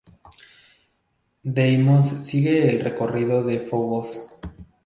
Deimos sigue el recorrido de Fobos.